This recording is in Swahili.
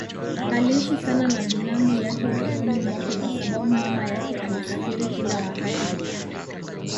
Aliishi sana na binamu yake utotoni mwake kwa sababu mama yake alisafiri kila wakati.